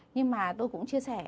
nhưng mà tôi cũng chia sẻ